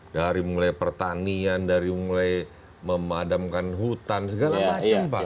dari mulai pertanian dari mulai memadamkan hutan segala macam pak